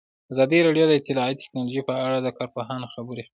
ازادي راډیو د اطلاعاتی تکنالوژي په اړه د کارپوهانو خبرې خپرې کړي.